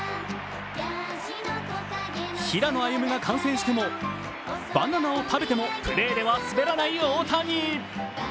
平野歩夢が観戦してもバナナを食べてもプレーでは滑らない大谷。